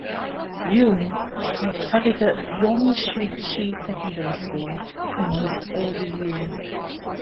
Yeung studied at Wong Shiu Chi Secondary School in his early years.